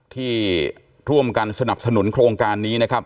ที่ร่วมกันสนับสนุนโครงการนี้นะครับ